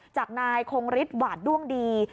จากนายคงฤทธิหวาดด้วงดี